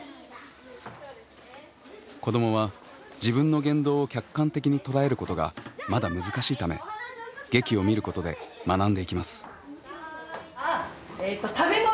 子どもは自分の言動を客観的に捉えることがまだ難しいため劇を見ることで学んでいきます。